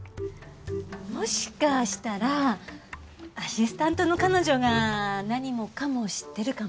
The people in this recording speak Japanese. もしかしたらアシスタントの彼女が何もかも知ってるかもね。